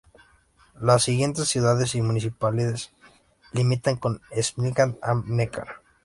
Las siguientes ciudades y municipalidades limitan con Esslingen am Neckar.